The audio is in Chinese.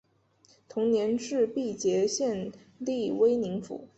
同年置毕节县隶威宁府。